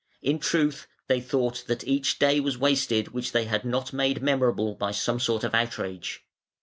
In truth, they thought that each day was wasted which they had not made memorable by some sort of outrage".